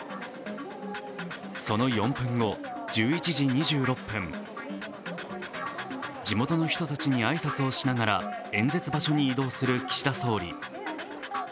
その４分後、１１時２６分、地元の人たちに挨拶をしながら演説場所に移動する岸田総理。